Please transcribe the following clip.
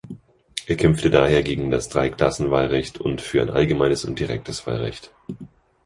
Er kämpfte daher gegen das Dreiklassenwahlrecht und für ein allgemeines und direktes Wahlrecht.